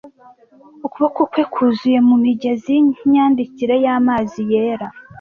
ukuboko kwe kwuzuye mumigezi yimyandikire yamazi yera